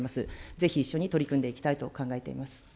ぜひ一緒に取り組んでいきたいと考えています。